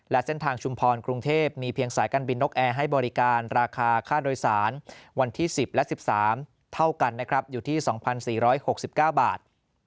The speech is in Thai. และเส้นทางชุมพรกรุงเทพมีเพียงสายการบินนกแอร์ให้บริการราคาค่าโดยสารวันที่๑๐และ๑๓เท่ากันนะครับอยู่ที่๒๔๖๙บาท